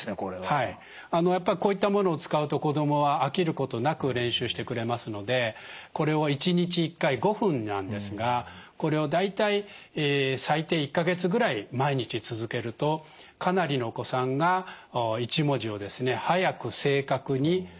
はいやっぱりこういったものを使うと子どもは飽きることなく練習してくれますのでこれを１日１回５分なんですがこれを大体最低１か月ぐらい毎日続けるとかなりのお子さんが１文字を速く正確に楽に読めるようになっていきます。